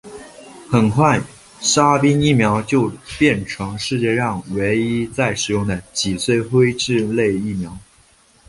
很快沙宾疫苗就变成世界上唯一在使用的脊髓灰质炎疫苗。